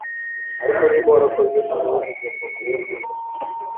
ariko niba warakoze nabi ugomba kubona urumuri